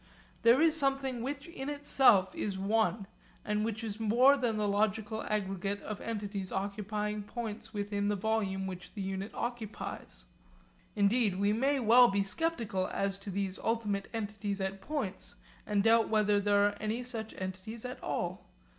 There is something which in itself is one, and which is more than the logical aggregate of entities occupying points within the volume which the unit occupies. Indeed we may well be sceptical as to these ultimate entities at points, and doubt whether there are any such entities at all.